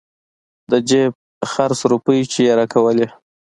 د جيب خرڅ روپۍ چې يې راکولې.